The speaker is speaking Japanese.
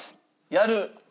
やる。